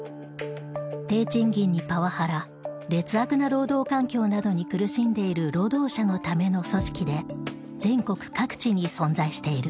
低賃金にパワハラ劣悪な労働環境などに苦しんでいる労働者のための組織で全国各地に存在している。